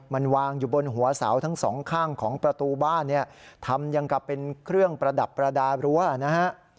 มันวางอยู่บนหัวเสาทั้งสองข้างของประตูบ้านเนี่ยทำอย่างกับเป็นเครื่องประดับประดารั้วนะฮะ